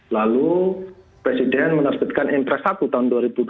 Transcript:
lalu presiden menerbitkan impres satu tahun dua ribu dua puluh